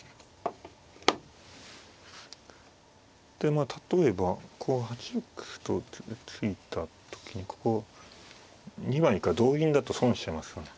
でまあ例えばこう８六歩と突いた時にここ２枚いるから同銀だと損しちゃいますよね。